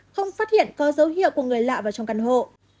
không phát hiện có dấu hiệu của người lạ vào trong căn hộ